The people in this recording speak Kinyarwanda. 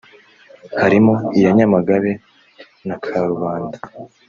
harimo iya Nyamagabe na Karubanda